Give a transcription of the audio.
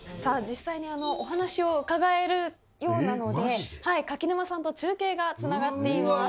実際にお話を伺えるようなので柿沼さんと中継が繋がっています。